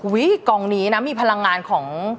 กองนี้นะมีพลังงานของ